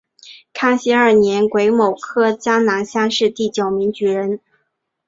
康熙二年癸卯科江南乡试第九名举人。